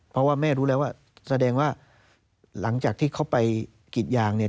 เพราะว่าแม่รู้แล้วว่าแสดงว่าหลังจากที่เขาไปกรีดยางเนี่ย